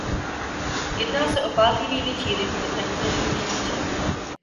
Jedná se o pátý největší rybník na území jižních Čech.